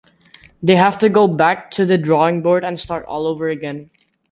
They have to go back to the drawing board and start all over again.